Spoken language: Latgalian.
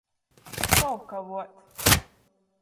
Tolkavuot.